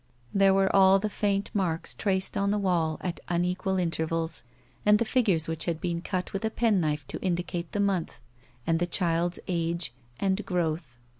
There were all the faint marks traced on the wall at unequal intervals and the figures which had been cut with a penknife to indicate the month, and the child's age and growth.